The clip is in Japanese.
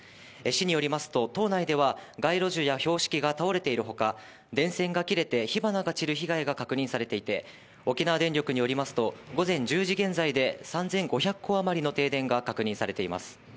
市によりますと島内では街路樹や標識が倒れているほか、電線が切れて火花が散る被害が確認されていて、沖縄電力によりますと午前１０時現在で３５００戸あまりの停電が確認されています。